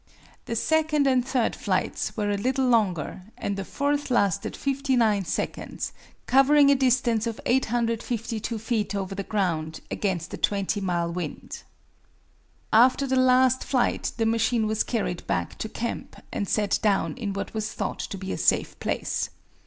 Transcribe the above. The second and third flights were a little longer, and the fourth lasted 59 seconds, covering a distance of 852 feet over the ground against a 20 mile wind. After the last flight the machine was carried back to camp and set down in what was thought to be a safe place.